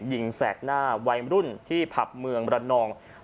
หยิงแสกหน้าวัยลุ่นที่ผับเมืองประนองสาธารณาไว้ออาทรณ์